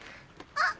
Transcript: あっ。